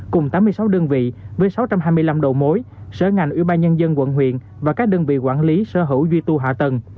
cùng tám mươi sáu đơn vị với sáu trăm hai mươi năm đầu mối sở ngành ủy ban nhân dân quận huyện và các đơn vị quản lý sở hữu duy tu hạ tầng